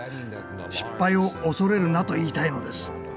失敗を恐れるなと言いたいのです。